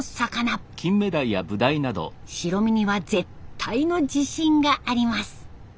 白身には絶対の自信があります。